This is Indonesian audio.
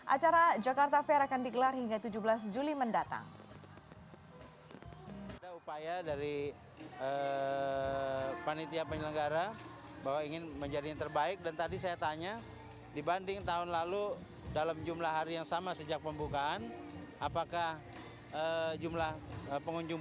acara jakarta fair akan dikelar hingga tujuh belas juli mendatang